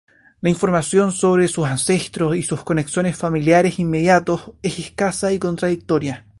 La información sobre sus ancestros y sus conexiones familiares inmediatos es escasa y contradictoria.